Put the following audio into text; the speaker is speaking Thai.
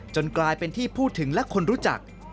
กลายเป็นที่พูดถึงและคนรู้จัก